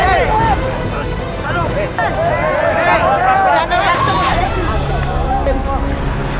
eh jangan mencari